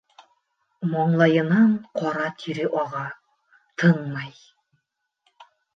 Маңлайынан ҡара тире аға, тынмай.